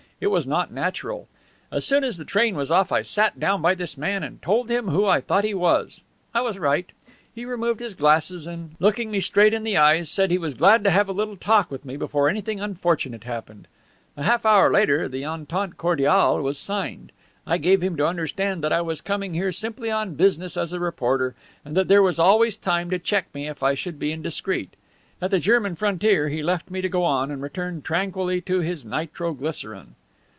It was not natural. As soon as the train was off I sat down by this man and told him who I thought he was. I was right. He removed his glasses and, looking me straight in the eyes, said he was glad to have a little talk with me before anything unfortunate happened. A half hour later the entente cordiale was signed. I gave him to understand that I was coming here simply on business as a reporter and that there was always time to check me if I should be indiscreet. At the German frontier he left me to go on, and returned tranquilly to his nitro glycerine."